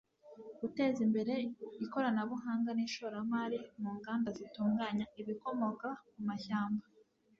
guteza imbere ikoranabuhanga n' ishoramari mu nganda zitunganya ibikomoka ku mashyamba